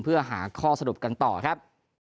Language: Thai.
เพื่อหาข้อสรุปกันต่อครับ